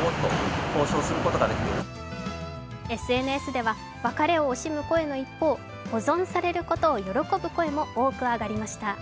ＳＮＳでは別れを惜しむ声の一方、保存されることを喜ぶ声も多く上がりました。